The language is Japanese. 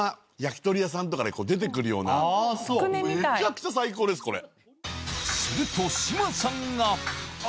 めちゃくちゃ最高ですこれ。